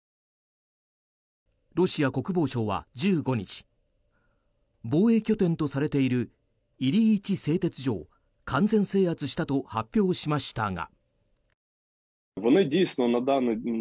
ロシア国防省は１５日防衛拠点とされているイリイチ製鉄所を完全制圧したと発表しましたが。